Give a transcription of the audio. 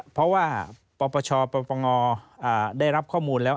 เพราะว่าปปชปปงได้รับข้อมูลแล้ว